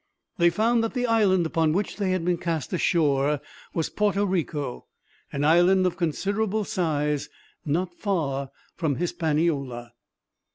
They found that the island upon which they had been cast ashore was Porto Rico, an island of considerable size, not far from Hispaniola.